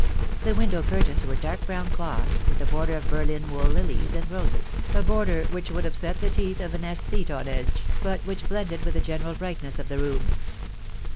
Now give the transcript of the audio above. The window curtains were dark brown cloth, with a border of Berlin wool lilies and roses, a border which would have set the teeth of an aesthete on edge, but which blended with the general brightness of the room.